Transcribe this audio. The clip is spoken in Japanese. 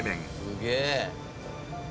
「すげえ！」